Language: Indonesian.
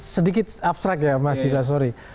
sedikit abstrak ya mas jidah sorry